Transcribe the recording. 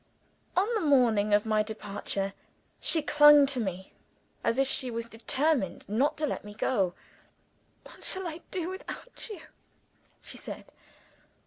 On the morning of my departure, she clung to me as if she was determined not to let me go. "What shall I do without you?" she said.